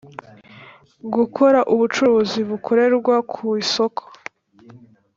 Gukora ubucuruzi bukorerwa ku isoko